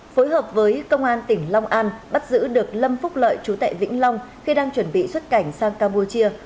phối hợp với công an tp hcm bắt giữ được lâm phúc lợi trú tại vĩnh long khi đang chuẩn bị xuất cảnh sang campuchia